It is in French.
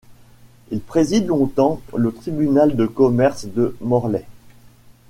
Il préside longtemps le tribunal de commerce de Morlaix.